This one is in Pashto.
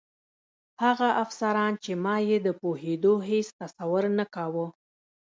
هغه افسران چې ما یې د پوهېدو هېڅ تصور نه کاوه.